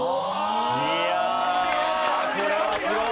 いやこれはすごい。